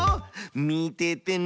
見ててね！